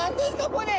これ。